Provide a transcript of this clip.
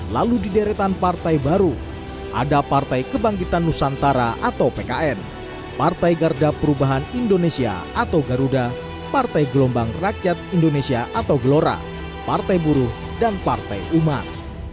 lalu di deretan partai baru ada partai kebangkitan nusantara atau pkn partai garda perubahan indonesia atau garuda partai gelombang rakyat indonesia atau gelora partai buruh dan partai umat